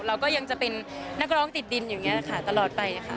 เราก็ยังจะเป็นนักร้องติดดินอย่างนี้ค่ะตลอดไปค่ะ